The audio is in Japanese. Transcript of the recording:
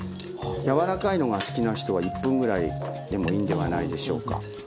柔らかいのが好きな人は１分ぐらいでもいいんではないでしょうか。